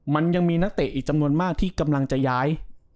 มันยังมีนักเตะอีกจำนวนมากที่กำลังจะย้าย